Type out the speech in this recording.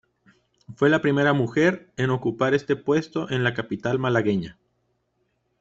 Fue la primera mujer en ocupar este puesto en la capital malagueña.